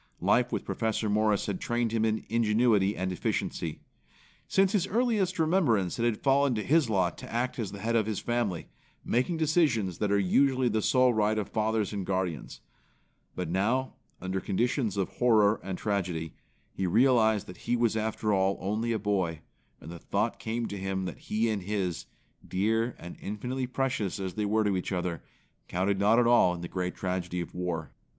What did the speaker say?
Life with Professor Morris had trained him in ingenuity and efficiency. Since his earliest remembrance it had fallen to his lot to act as the head of his family, making decisions that usually are the sole right of fathers and guardians. But now, under conditions of horror and tragedy, he realized that he was after all only a boy; and the thought came to him that he and his, dear and infinitely precious as they were to each other, counted not at all in the great tragedy of war.